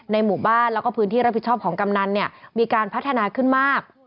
หมู่บ้านแล้วก็พื้นที่รับผิดชอบของกำนันเนี่ยมีการพัฒนาขึ้นมาก